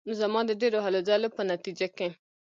زما د ډېرو هلو ځلو په نتیجه کې.